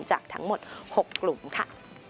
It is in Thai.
จากทั้งหมด๖กลุ่มค่ะ